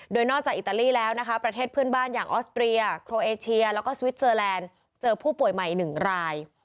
โดยนอกจากอิตาลีแล้วนะคะประเทศเพื่อนบ้านอย่างออสเตรียโครเอเชียแล้วก็สวิสเซอร์แลนด์เจอผู้ป่วยใหม่๑ราย